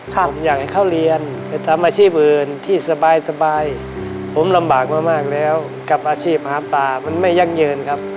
ผมอยากให้เขาเรียนไปทำอาชีพอื่นที่สบายสบายผมลำบากมามากแล้วกับอาชีพหาปลามันไม่ยั่งยืนครับ